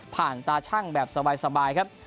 ผ่านตาช่างแบบสบายครับ